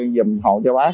dùm hậu cho bác